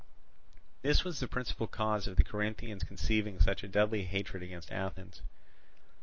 This was the principal cause of the Corinthians conceiving such a deadly hatred against Athens.